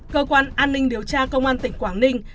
cơ quan an ninh điều tra công an tỉnh quảng ninh